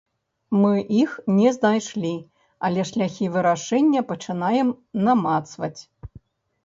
Мы іх не знайшлі, але шляхі вырашэння пачынаем намацваць.